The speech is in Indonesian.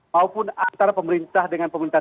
maupun antara pemerintah dengan pemerintah